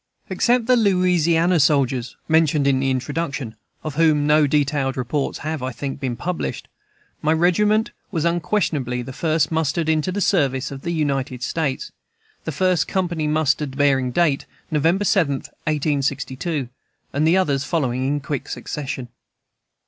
Except the Louisiana soldiers mentioned in the Introduction, of whom no detailed reports have, I think, been published, my regiment was unquestionably the first mustered into the service of the United States; the first company muster bearing date, November 7, 1862, and the others following in quick succession.